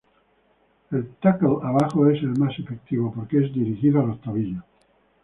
El "tackle abajo" es el más efectivo porque es dirigido a los tobillos.